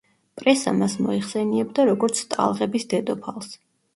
პრესა მას მოიხსენიებდა როგორც „ტალღების დედოფალს“.